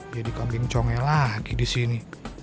jadi kambing congnya lagi di sini